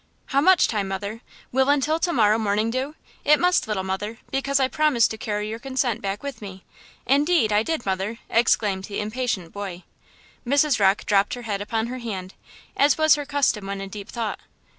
"How much time, mother? Will until to morrow morning do? It must, little mother, because I promised to carry your consent back with me! Indeed, I did, mother!" exclaimed the impatient boy. Mrs. Rocke dropped her head upon her hand, as was her custom when in deep thought.